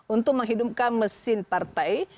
untuk menghidupkan mesin partai